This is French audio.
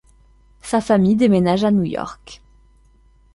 Sa famille déménage à New York.